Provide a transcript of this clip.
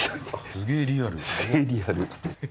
すげえリアル。